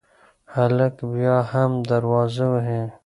هلک بیا هم دروازه وهي.